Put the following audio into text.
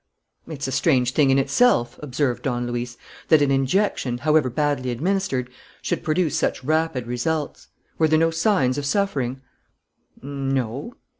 "It's a strange thing in itself," observed Don Luis, "that an injection, however badly administered, should produce such rapid results. Were there no signs of suffering?" "No